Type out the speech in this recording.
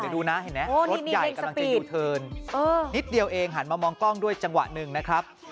เดี๋ยวดูนะเห็นไหมรถใหญ่กำลังจะยูเทิร์นนิดเดียวเองหันมามองกล้องด้วยจังหวะหนึ่งนะครับ